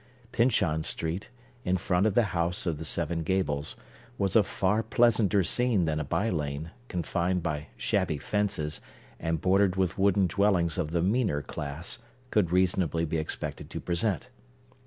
Pyncheon Street, in front of the House of the Seven Gables, was a far pleasanter scene than a by lane, confined by shabby fences, and bordered with wooden dwellings of the meaner class, could reasonably be expected to present.